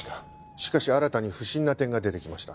しかし新たに不審な点が出てきました。